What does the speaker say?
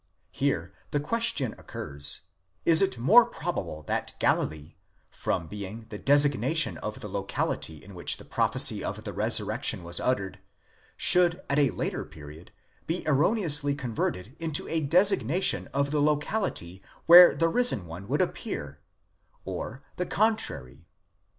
Here the question occurs: is it more probable that Galilee, from being the designation of the locality in which the prophecy of the resurrection was uttered, should at a later period be erroneously converted into a desig nation of the locality where the risen one would appear; or the contrary?